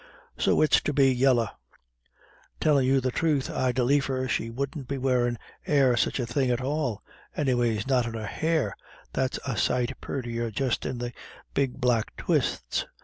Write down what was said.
So it's to be yella. Tellin' you the truth, I'd liefer she wouldn't be wearin' e'er such a thing at all, anyways not in her hair, that's a sight purtier just in the big black twists.